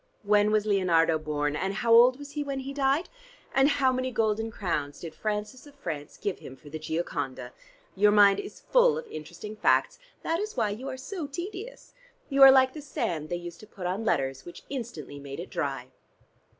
When was Leonardo born? And how old was he when he died? And how many golden crowns did Francis of France give him for the 'Gioconda'? Your mind is full of interesting facts. That is why you are so tedious. You are like the sand they used to put on letters, which instantly made it dry."